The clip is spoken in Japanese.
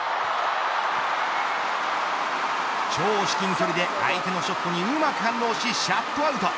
超至近距離で相手のショットにうまく反応しシャットアウト。